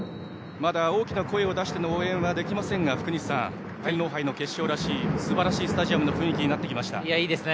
まだ大きな声を出しての応援はできませんが福西さん、天皇杯の決勝らしいすばらしいスタジアムの雰囲気になってきましたね。